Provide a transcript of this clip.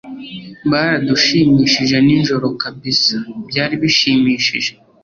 Baradushimishije nijoro kabisa byari bishimishije